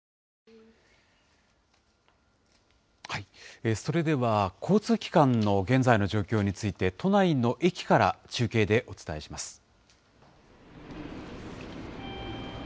それでは、交通機関の現在の状況について、都内の駅から中継でお伝えします。